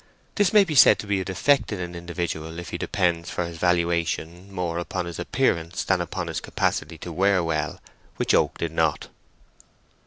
This may be said to be a defect in an individual if he depends for his valuation more upon his appearance than upon his capacity to wear well, which Oak did not.